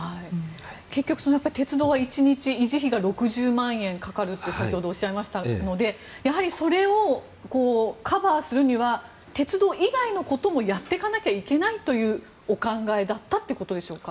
結局、鉄道は１日維持費が６０万円かかるって先ほどおっしゃいましたのでそれをカバーするには鉄道以外のこともやっていかなきゃいけないというお考えだったということですか。